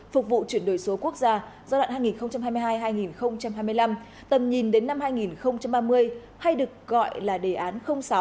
phục vụ chuyển đổi số quốc gia giai đoạn hai nghìn hai mươi hai hai nghìn hai mươi năm tầm nhìn đến năm hai nghìn ba mươi hay được gọi là đề án sáu